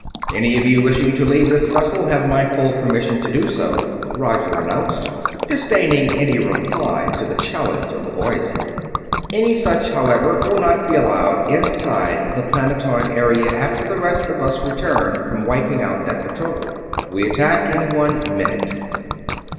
"Any of you wishing to leave this vessel have my full permission to do so," Roger announced, disdaining any reply to the challenge of the Boise. "Any such, however, will not be allowed inside the planetoid area after the rest of us return from wiping out that patrol. We attack in one minute."